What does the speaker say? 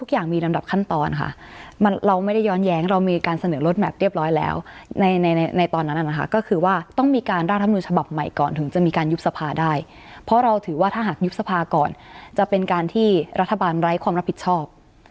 การราคมนูชะบับใหม่ก่อนถึงจะมีการยุบสภาได้เพราะเราถือว่าถ้าหากยุบสภาก่อนจะเป็นการที่รัฐบาลไร้ความรับผิดชอบ